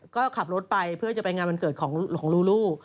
ก็ขับรถไปเพื่อจะไปงานวันเกิดของลูลู